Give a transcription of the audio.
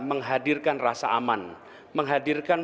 menghadirkan rasa aman menghadirkan